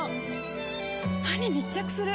歯に密着する！